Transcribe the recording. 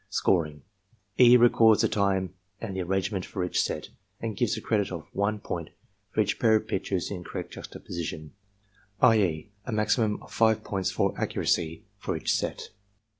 Scoring, — ^E. records the time and the arrangement for each set; and gives a credit of 1 point for each pair of pictures in correct juxtaposition, i. c., a maximum of 5 points for accuracy for each set.